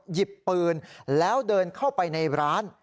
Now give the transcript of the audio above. หยิบปืนแล้วเดินเข้าไปในร้าน